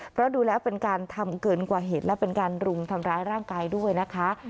เพราะดูแล้วเป็นการทำเกินกว่าเหตุและเป็นการรุมทำร้ายร่างกายด้วยนะคะ